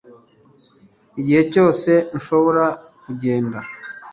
igihe cyose nshobora kugenda